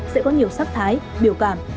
sẽ có nhiều sắc thái biểu cảm